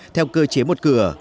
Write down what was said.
theo cơ chế một cửa